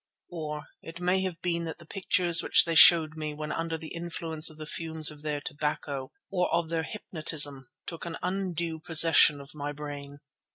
Or it may have been that the pictures which they showed me when under the influence of the fumes of their "tobacco"—or of their hypnotism—took an undue possession of my brain.